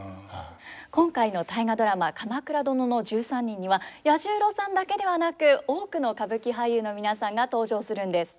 今回の「大河ドラマ鎌倉殿の１３人」には彌十郎さんだけではなく多くの歌舞伎俳優の皆さんが登場するんです。